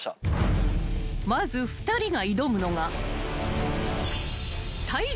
［まず２人が挑むのが］